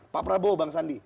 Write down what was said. pak prabowo bang sandi